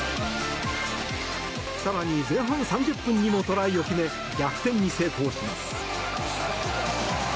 更に前半３０分にもトライを決め逆転に成功します。